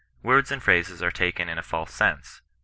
Words and phrases are taken in a false sense.